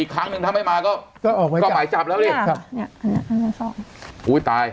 ครั้งแรกไปมาก็เราเรียก